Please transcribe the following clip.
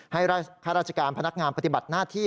ข้าราชการพนักงานปฏิบัติหน้าที่